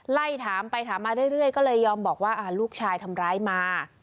ไล่ถามไปถามมาเรื่อยก็เลยยอมบอกว่าลูกชายทำร้ายมา